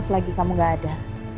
selagi kamu gak ada